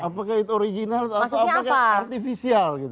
apakah itu original atau apa itu artificial gitu